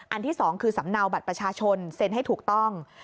ที่๒คือสำเนาบัตรประชาชนเซ็นให้ถูกต้อง